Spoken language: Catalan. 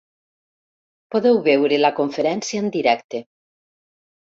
Podeu veure la conferència en directe.